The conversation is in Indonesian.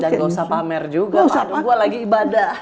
jangan pamer juga gue lagi ibadah